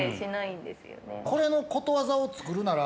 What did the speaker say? これのことわざを作るなら。